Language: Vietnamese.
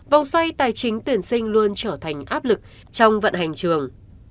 vòng xoay tài chính tuyển sinh luôn trở thành áp lực trong vận hành trường